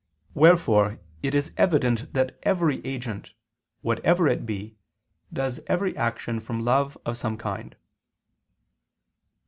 Wherefore it is evident that every agent, whatever it be, does every action from love of some kind.